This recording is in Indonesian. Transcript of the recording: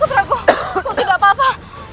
putraku kau tidak apa apa